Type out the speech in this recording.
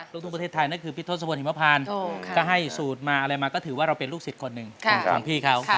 ลูกทุ่งประเทศไทยนั่นคือพี่ทศพลหิมพานก็ให้สูตรมาอะไรมาก็ถือว่าเราเป็นลูกศิษย์คนหนึ่งของพี่เขา